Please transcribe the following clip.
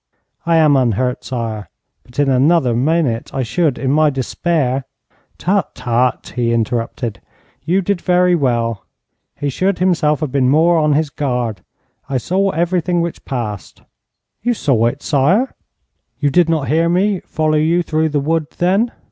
'I am unhurt, sire. But in another minute I should in my despair ' 'Tut, tut!' he interrupted. 'You did very well. He should himself have been more on his guard. I saw everything which passed.' 'You saw it, sire!' 'You did not hear me follow you through the wood, then?